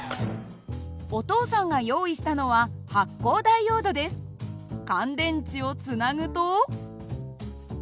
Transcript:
お父さんが用意したのは乾電池をつなぐと。